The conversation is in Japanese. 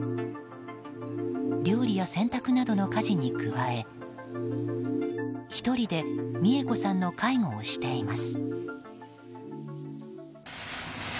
料理や洗濯などの家事に加え１人で三恵子さんの介護をしています。